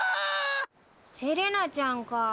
セレナちゃんかあ。